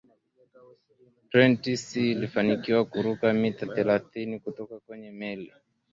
prentis alifanikiwa kuruka mita thelathini kutoka kwenye meli